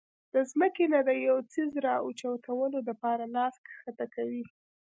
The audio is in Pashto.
د زمکې نه د يو څيز را اوچتولو د پاره لاس ښکته کوي